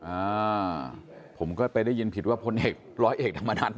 อ่าผมก็ไปได้ยินผิดว่าพลเอกร้อยเอกธรรมนัน